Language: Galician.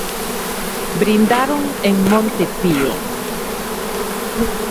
Brindaron en Monte Pío.